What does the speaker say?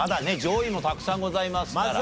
上位もたくさんございますから。